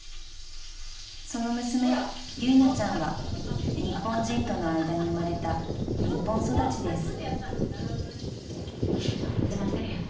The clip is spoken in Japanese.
［その娘由奈ちゃんは日本人との間に生まれた日本育ちです］